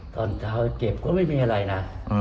ตอนเก็บก็ไม่มีอะไรนะ